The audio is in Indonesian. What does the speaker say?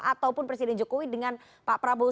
ataupun presiden jokowi dengan pak prabowo